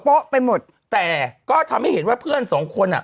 ไปหมดแต่ก็ทำให้เห็นว่าเพื่อนสองคนอ่ะ